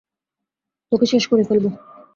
তোকে শেষ করে ফেলবো!